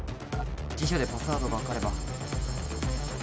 辞書でパスワードが分かれば